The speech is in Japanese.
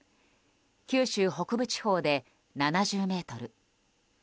九州北部地方で７０メートル。